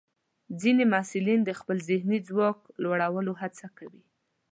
ځینې محصلین د خپل ذهني ځواک لوړولو هڅه کوي.